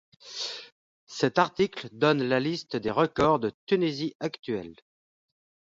Cet article donne la liste des records de Tunisie actuels.